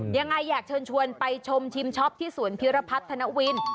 ยังไงอยากเชิญชวนไปชมชิมช็อปที่สวนพิรพัฒนวิน